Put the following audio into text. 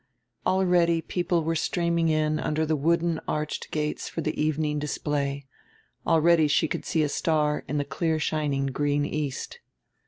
Already people were streaming in under the wooden arched gates for the evening display; already she could see a star in the clear shining green east.